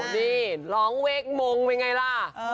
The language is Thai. นี่ร้องเวกมงเป็นไงล่ะ